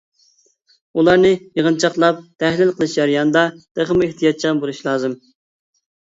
ئۇلارنى يىغىنچاقلاپ تەھلىل قىلىش جەريانىدا تېخىمۇ ئېھتىياتچان بولۇش لازىم.